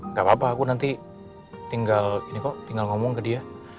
gak apa apa aku nanti tinggal ngomong ke dia